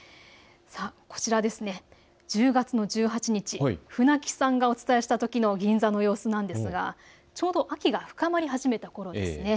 こちら１０月の１８日、船木さんがお伝えしたときの銀座の様子なんですがちょうど秋が深まり始めたころです。